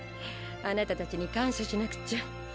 あなたたちに感謝しなくちゃ。